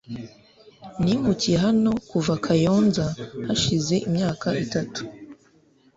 Nimukiye hano kuva Kayonza hashize imyaka itatu .